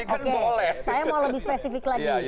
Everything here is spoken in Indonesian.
oke saya mau lebih spesifik lagi